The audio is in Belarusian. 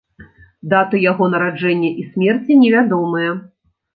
Даты яго нараджэння і смерці невядомыя.